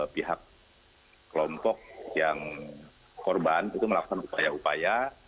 pihak kelompok yang korban itu melakukan upaya upaya